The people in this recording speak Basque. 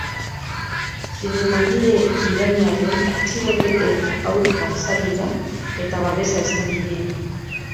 Zinemagile iraniarren atxiloketen aurka azaldu da eta babesa eskaini die.